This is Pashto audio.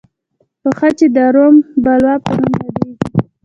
پېښه چې د رام بلوا په نامه یادېږي.